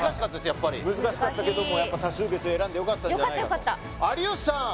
やっぱり難しかったけども多数決選んでよかったんじゃないかと有吉さん！